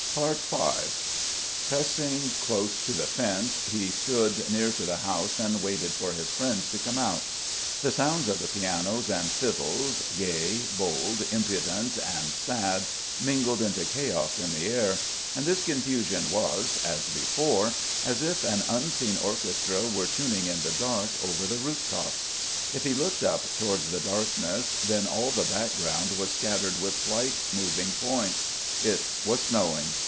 V Pressing dose to the fence, he stood near to the house and waited for his friends to come out. The sounds of the pianos and fiddles, gay, bold, impudent and sad, mingled into chaos in the air, and this confusion was, as before, as if an unseen orchestra were tuning in the dark over the roof tops. If he looked up towards the darkness, then all the background was scattered with white, moving points: it was snowing.